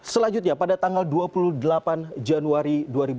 selanjutnya pada tanggal dua puluh delapan januari dua ribu dua puluh